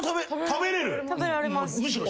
食べられます。